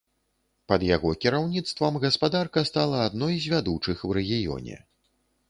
Пад яго кіраўніцтвам гаспадарка стала адной з вядучых у рэгіёне.